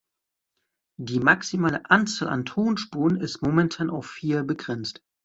Die maximale Anzahl an Tonspuren ist momentan auf vier begrenzt.